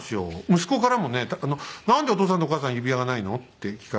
息子からもね「なんでお父さんとお母さんは指輪がないの？」って聞かれて。